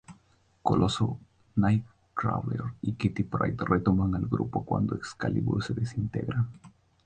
Coloso, Nightcrawler y Kitty Pryde retornan al grupo cuando Excalibur se desintegra.